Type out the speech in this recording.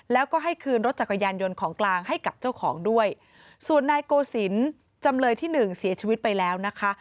แล้วก็ให้คืนรถจักรยานยนต์ของกลางให้กับเจ้าของด้วยส่วนนายโกศิลป์จำเลยที่หนึ่งเสียชีวิตไปแล้วนะคะ